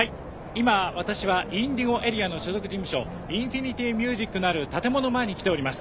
今私はＩｎｄｉｇｏＡＲＥＡの所属事務所インフィニティミュージックのある建物前に来ております。